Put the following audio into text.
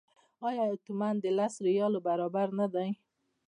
آیا یو تومان د لسو ریالو برابر نه دی؟